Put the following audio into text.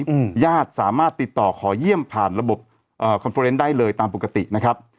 อืมญาติสามารถติดต่อขอเยี่ยมผ่านระบบเอ่อคอนเฟอร์เนสได้เลยตามปกตินะครับ